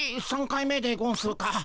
３回目でゴンスか？